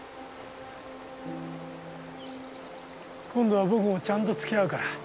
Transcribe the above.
今度は僕もちゃんと付き合うから。